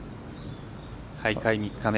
大会３日目。